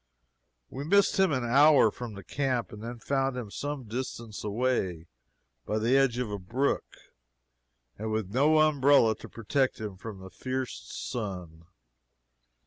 We missed him an hour from the camp, and then found him some distance away, by the edge of a brook, and with no umbrella to protect him from the fierce sun.